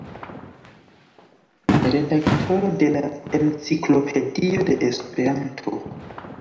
Redaktoro de la Enciklopedio de Esperanto.